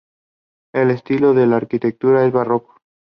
El estilo de la arquitectura es Barroco.